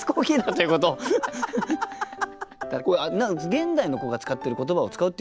現代の子が使ってる言葉を使うっていうのも？